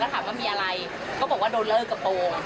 ก็ถามว่ามีอะไรก็บอกว่าโดนเลือกตัวโป่ง